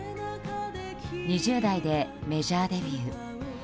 ２０代でメジャーデビュー。